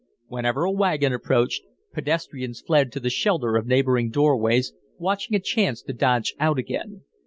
Whenever a wagon approached, pedestrians fled to the shelter of neighboring doorways, watching a chance to dodge out again.